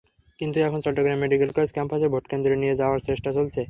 কিন্তু এখন Chattogram medical college ক্যাম্পাসে ভোটকেন্দ্র নিয়ে যাওয়ার চেষ্টা চলছে।